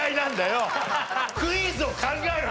クイズを考えろ！